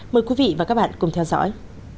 mời quý vị và các bạn cùng theo dõi